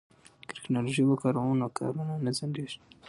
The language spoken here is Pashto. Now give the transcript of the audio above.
که ټیکنالوژي وکاروو نو کارونه نه ځنډیږي.